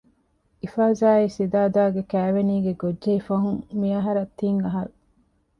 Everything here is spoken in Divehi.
އިފާޒާއި ސިދާދާގެ ކައިވެނީގެ ގޮށްޖެހިފަހުން މިއަހަރަށް ތިން އަހަރު